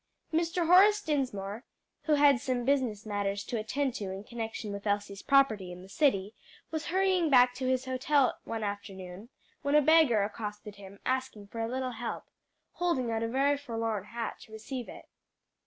Mr. Horace Dinsmore, who had some business matters to attend to in connection with Elsie's property in the city, was hurrying back to his hotel one afternoon, when a beggar accosted him, asking for a little help, holding out a very forlorn hat to receive it.